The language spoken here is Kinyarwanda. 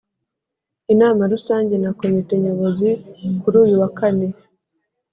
Inama Rusange na Komite Nyobozi kuri uyu wa kane